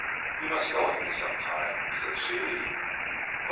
"You must go with me some time," said she.